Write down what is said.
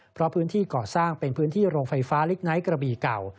เพราะพื้นที่ก่อสร้างเป็นพื้นที่โรงไฟฟ้าลิกไนท์กระบีเก่า